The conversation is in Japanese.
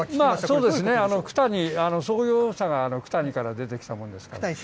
そうですね、九谷、そういう九谷から出てきたものですから。